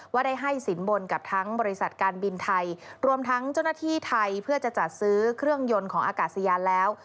ได้ให้สินบนกับทั้งบริษัทการบินไทยรวมทั้งเจ้าหน้าที่ไทยเพื่อจะจัดซื้อเครื่องยนต์ของอากาศยานแล้ว